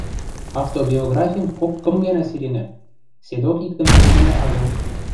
Автобиографим кок-кым гӓнӓ сиренӓм, седок иктӹм сирӹмӹлӓ агыл.